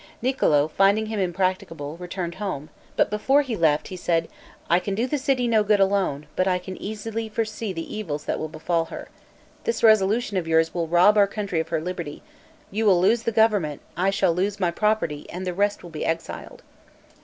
Niccolo, finding him impracticable, returned home; but before he left, he said, "I can do the city no good alone, but I can easily foresee the evils that will befall her. This resolution of yours will rob our country of her liberty; you will lose the government, I shall lose my property, and the rest will be exiled."